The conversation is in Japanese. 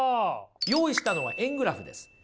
用意したのは円グラフです。